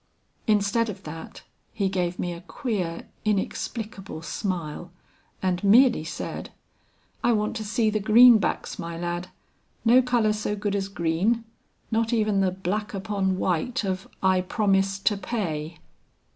"Instead of that, he gave me a queer inexplicable smile, and merely said, 'I want to see the greenbacks, my lad. No color so good as green, not even the black upon white of 'I promise to pay.'